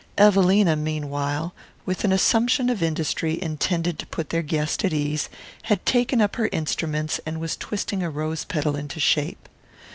Evelina meanwhile, with an assumption of industry intended to put their guest at ease, had taken up her instruments and was twisting a rose petal into shape.